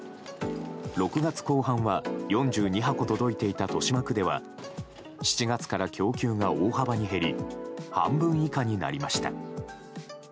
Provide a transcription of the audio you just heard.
６月後半は４２箱届いていた豊島区では７月から供給が大幅に減り半分以下になりました。